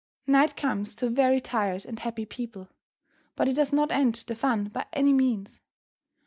Night comes to very tired and happy people, but it does not end the fun by any means.